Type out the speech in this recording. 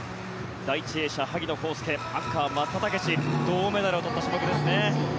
第１泳者、北島康介アンカー、松田丈志で銅メダルをとった種目です。